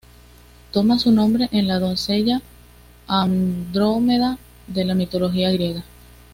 Toma su nombre de la doncella Andrómeda de la mitología griega.